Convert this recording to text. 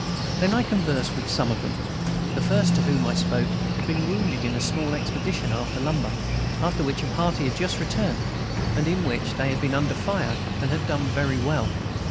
Then I conversed with some of them. The first to whom I spoke had been wounded in a small expedition after lumber, from which a party had just returned, and in which they had been under fire and had done very well.